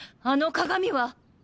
あの鏡は